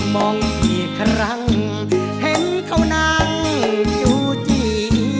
มองอีกครั้งเห็นเขานั่งจูจี